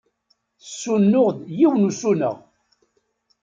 Tessunuɣ-d yiwen usuneɣ.